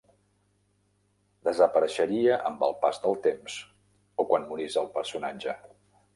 Desapareixeria amb el pas del temps o quan morís el personatge.